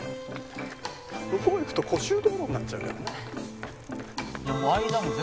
向こう行くと湖周道路になっちゃうからね。